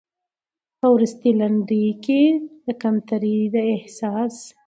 په وروستۍ لنډۍ کې د کمترۍ د احساس